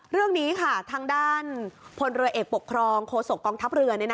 เรื่องนี้ค่ะทางด้านพลเรือเอกปกครองโฆษกองทัพเรือ